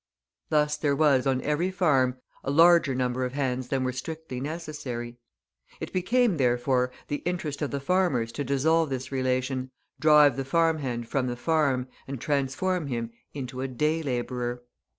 Thus there was, on every farm, a larger number of hands than were strictly necessary. It became, therefore, the interest of the farmers to dissolve this relation, drive the farm hand from the farm, and transform him into a day labourer.